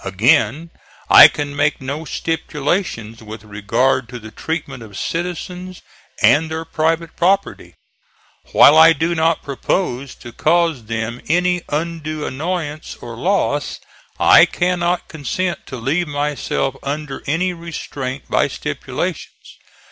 Again, I can make no stipulations with regard to the treatment of citizens and their private property. While I do not propose to cause them any undue annoyance or loss, I cannot consent to leave myself under any restraint by stipulations.